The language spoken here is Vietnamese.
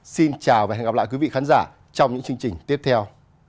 xin chào và hẹn gặp lại quý vị khán giả trong những chương trình tiếp theo